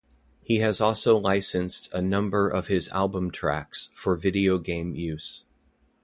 He has also licensed a number of his album tracks for video game use.